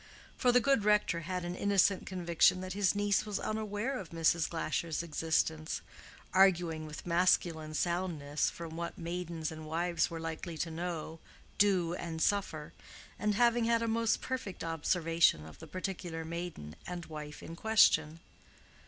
For the good rector had an innocent conviction that his niece was unaware of Mrs. Glasher's existence, arguing with masculine soundness from what maidens and wives were likely to know, do, and suffer, and having had a most imperfect observation of the particular maiden and wife in question.